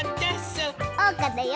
おうかだよ！